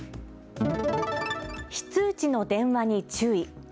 非通知の電話に注意。